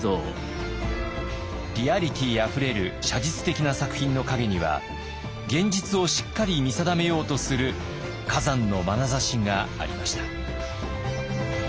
リアリティーあふれる写実的な作品の陰には現実をしっかりと見定めようとする崋山の眼差しがありました。